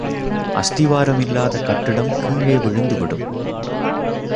அஸ்திவாரம் இல்லாத கட்டிடம் கீழே விழுந்து விடும்.